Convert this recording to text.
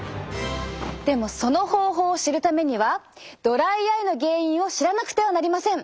でもその方法を知るためにはドライアイの原因を知らなくてはなりません。